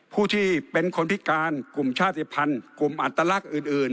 ผู้ที่เป็นคนพิการกลุ่มชาติภัณฑ์กลุ่มอัตลักษณ์อื่น